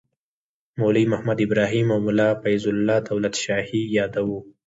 مولوي محمد ابراهیم او ملا فیض الله دولت شاهي یادوو.